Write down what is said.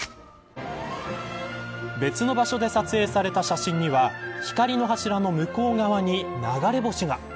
別の場所で撮影された写真には光の柱の向こう側に流れ星が。